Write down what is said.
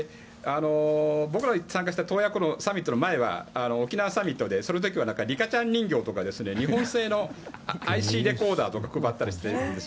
僕が参加した洞爺湖サミットの前は沖縄サミットでその時はリカちゃん人形とか日本製のＩＣレコーダーとか配ったりしてたんです。